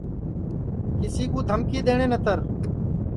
کسی کُو دھمکی دؔیٹؔے نتر